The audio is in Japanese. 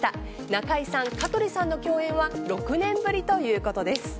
中居さん、香取さんの共演は６年ぶりということです。